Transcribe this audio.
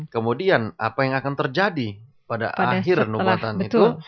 kemudian apa yang akan terjadi pada akhir november itu